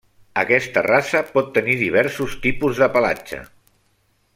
Aquesta raça pot tenir diversos tipus de pelatge.